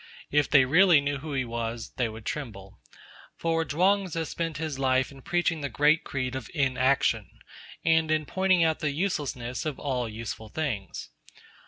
If they really knew who he was, they would tremble. For Chuang Tzu spent his life in preaching the great creed of Inaction, and in pointing out the uselessness of all useful things.